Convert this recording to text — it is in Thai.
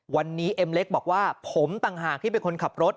วันนี้เอ็มเล็กบอกว่าผมต่างหากที่เป็นคนขับรถ